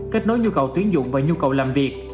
kết nối nhu cầu tuyến dụng và nhu cầu làm việc